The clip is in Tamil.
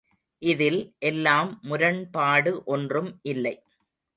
இதில் எல்லாம் முரண்பாடு ஒன்றும் இல்லை.